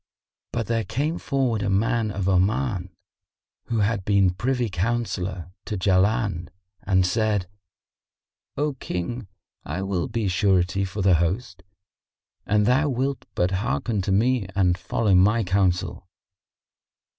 But there came forward a man of Oman, who had been privy counsellor to Jaland and said, "O King, I will be surety for the host, an thou wilt but hearken to me and follow my counsel."